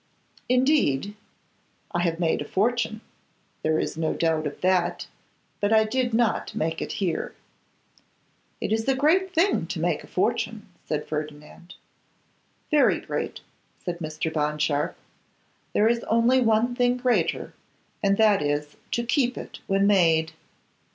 'Indeed!' 'I have made a fortune; there is no doubt of that; but I did not make it here.' 'It is a great thing to make a fortune,' said Ferdinand. 'Very great,' said Mr. Bond Sharpe. 'There is only one thing greater, and that is, to keep it when made.